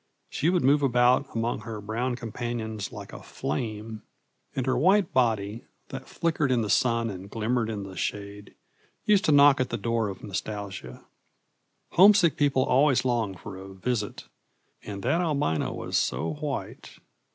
She would move about among her brown companions like a flame and her white body, that flickered in the sun and glimmered in the shade, used to knock at the door of nostalgia. Homesick people always long for a visit, and that albino was so white!